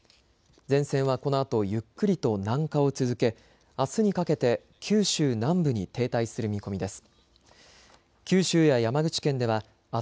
前線はこのあとゆっくりと南下を続け、あすにかけて九州南部に停滞する見込みです。